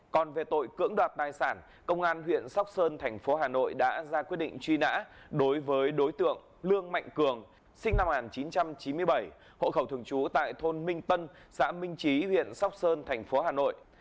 còn về tội cưỡng đoạt tài sản công an huyện sóc sơn thành phố hà nội đã ra quyết định truy nã đối với đối tượng lương mạnh cường sinh năm một nghìn chín trăm chín mươi bảy hộ khẩu thường trú tại thôn minh tân xã minh trí huyện sóc sơn thành phố hà nội